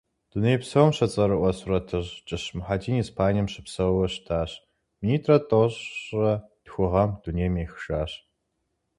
Дунейпсом щыцӏэрыӏуэ сурэтыщӏ, Кӏыщ Мухьэдин Испанием щыпсэууэ щытащ, минитӏырэ тӏощӏырэ тху гъэм дунейм ехыжащ.